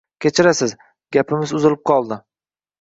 Kechirasiz, gapimiz uzilib qoldi.